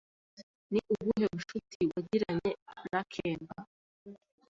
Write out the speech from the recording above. Ni ubuhe bucuti wagiranye na kemba?